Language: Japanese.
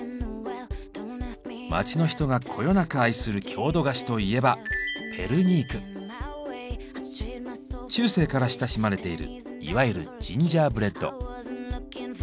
街の人がこよなく愛する郷土菓子といえば中世から親しまれているいわゆるジンジャーブレッド。